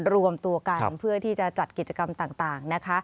รวมตัวกันเพื่อที่จะจัดกิจกรรมต่างนะคะ